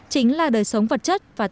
chính là đời sống vật chất và tình trạng